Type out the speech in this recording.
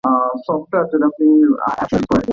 সরির কিছু নেই!